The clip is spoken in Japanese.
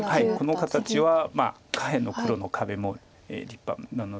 この形は下辺の黒の壁も立派なので。